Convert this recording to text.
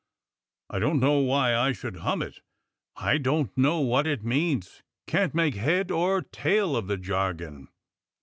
I don't know why I should hum it — I don't know what it means; can't make head or tale of the jargon."